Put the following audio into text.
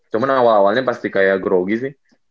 cuman awal awalnya pasti kayak grogi sih